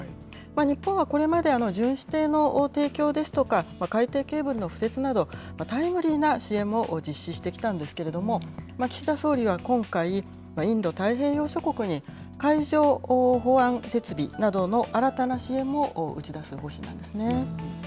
日本はこれまで、巡視艇の提供ですとか、海底ケーブルの敷設など、タイムリーな支援も実施してきたんですけれども、岸田総理は今回、インド太平洋諸国に海上保安設備などの新たな支援も打ち出す方針なんですね。